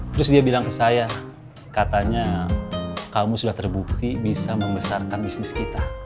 terus dia bilang ke saya katanya kamu sudah terbukti bisa membesarkan bisnis kita